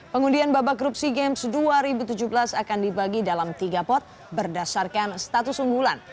pengundian babak grup sea games dua ribu tujuh belas akan dibagi dalam tiga pot berdasarkan status unggulan